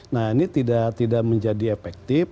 nah ini tidak menjadi efektif